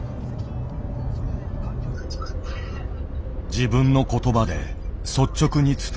自分の言葉で率直に伝える。